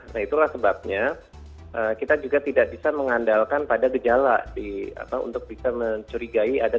nah itulah sebabnya kita juga tidak bisa mengandalkan pada gejala untuk bisa mencurigai